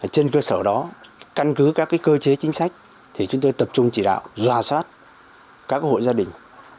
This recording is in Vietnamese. trên cơ sở đó căn cứ các cơ chế chính sách thì chúng tôi tập trung chỉ đạo doa soát các hộ gia đình